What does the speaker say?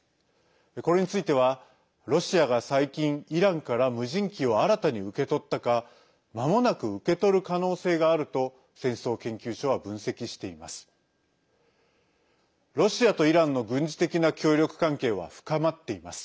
これについてはロシアが最近イランから無人機を新たに受け取ったかまもなく受け取る可能性があると戦争研究所は分析しています。